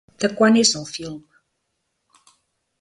De quan és el film?